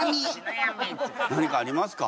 何かありますか？